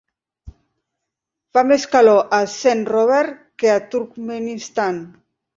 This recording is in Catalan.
fa més calor a Saint Robert que a Turkmenistan